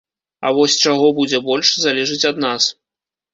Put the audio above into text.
А вось чаго будзе больш, залежыць ад нас.